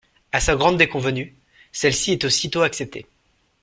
À sa grande déconvenue, celle-ci est aussitôt acceptée.